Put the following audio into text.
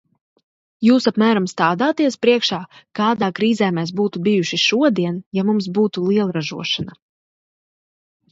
Jūs apmēram stādāties priekšā, kādā krīzē mēs būtu bijuši šodien, ja mums būtu lielražošana?